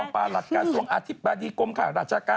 ประหลัดกระทรวงอธิบาธิกรมค่ะ